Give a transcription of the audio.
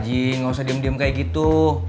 ji udahlah ji nggak usah diem diem kayak gitu